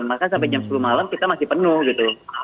maka sampai jam sepuluh malam kita masih penuh gitu